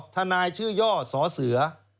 ทนายชื่อย่อสอเสือ